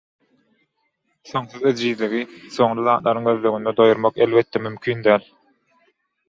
Soňsuz ejizligi soňly zatlaryň gözleginde doýurmak elbetde mümkin däl.